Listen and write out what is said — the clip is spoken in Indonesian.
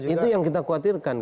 itu yang kita khawatirkan